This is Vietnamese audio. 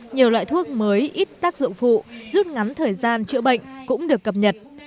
nhiều loại thuốc mới ít tác dụng phụ rút ngắn thời gian chữa bệnh cũng được cập nhật